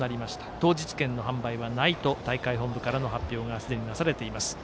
当日券の販売はないと大会本部からの発表がすでになされています。